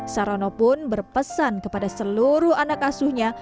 sarono pun berpesan kepada seluruh anak asuhnya